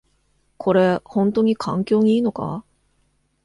これ、ほんとに環境にいいのか？